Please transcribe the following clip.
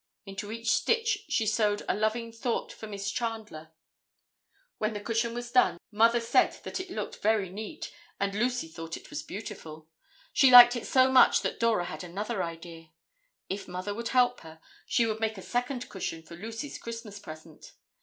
Into each stitch she sewed a loving thought for Miss Chandler. When the cushion was done, Mother said that it looked very neat and Lucy thought it was beautiful. She liked it so much that Dora had another idea. If Mother would help her, she would make a second cushion for Lucy's Christmas present.